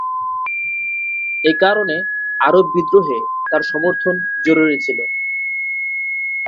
একারণে আরব বিদ্রোহে তার সমর্থন জরুরি ছিল।